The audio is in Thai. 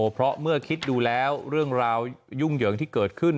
เพราะเมื่อคิดดูแล้วเรื่องราวยุ่งเหยิงที่เกิดขึ้น